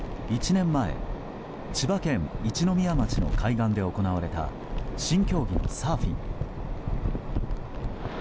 １年前、千葉県一宮町の海岸で行われた新競技のサーフィン。